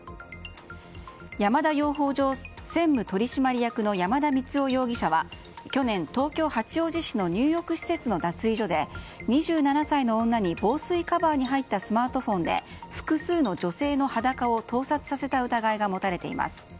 山田養蜂場専務取締役の山田満生容疑者は去年、東京・八王子市の入浴施設の脱衣所で２７歳の女に防水カバーに入ったスマートフォンで複数の女性の裸を盗撮させた疑いが持たれています。